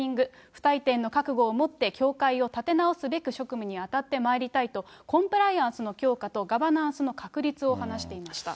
不退転の覚悟を持って、協会を立て直すべく職務に当たってまいりたいと、コンプライアンスの強化とガバナンスの確立を話していました。